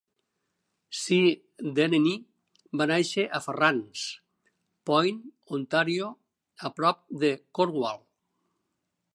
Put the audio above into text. Cy Denneny va néixer a Farran's Point, Ontario, a prop de Cornwall.